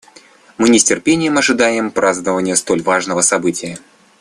Мы с нетерпением ожидаем празднования столь важного события.